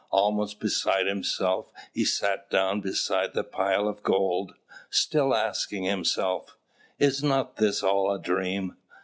Almost beside himself, he sat down beside the pile of gold, still asking himself, "Is not this all a dream?"